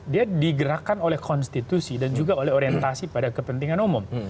dia digerakkan oleh konstitusi dan juga oleh orientasi pada kepentingan umum